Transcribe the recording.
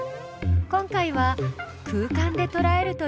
今回は「空間」でとらえるという見方。